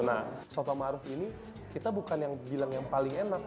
nah sofa maruf ini kita bukan yang bilang yang paling enak